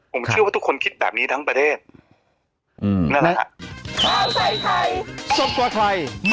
ผมเชื่อว่าทุกคนคิดแบบนี้ทั้งประเทศนั่นแหละฮะ